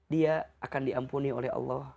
dia akan diampuni oleh allah